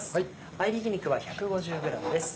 合いびき肉は１５０ｇです。